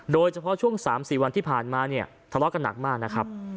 โดยเฉพาะช่วง๓๔วันที่ผ่านมาเนี่ยทะเลาะกันหนักมากนะครับ